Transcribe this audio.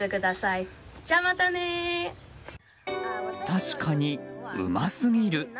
確かに、うますぎる。